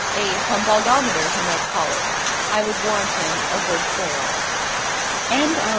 A "Humbugometer" he might call it. I would warrant him a good sale. CHAPTER XIX.